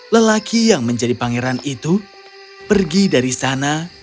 lelaki yang menjadi pangeran itu pergi dari sana